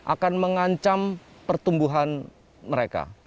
akan mengancam pertumbuhan mereka